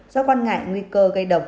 do quan ngại nguy cơ gây độc